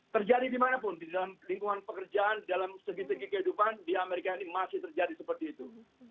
terjadi dimanapun di dalam lingkungan pekerjaan dalam segi segi kehidupan di amerika ini masih terjadi seperti itu